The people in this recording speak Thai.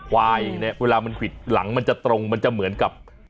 ควายเนี่ยเวลามันควิดหลังมันจะตรงมันจะเหมือนกับ